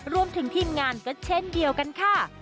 รวมถึงทีมงานก็เช่นเดียวกันค่ะ